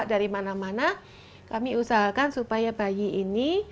dari mana mana kami usahakan supaya bayi ini